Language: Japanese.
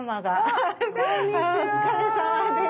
お疲れさまです。